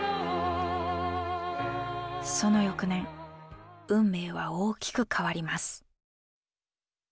その翌年運命は大きく変わります。